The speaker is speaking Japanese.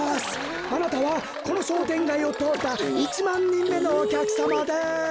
あなたはこのしょうてんがいをとおった１まんにんめのおきゃくさまです！